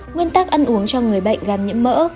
nguyên tắc ăn uống cho người bệnh gan nhiễm mỡ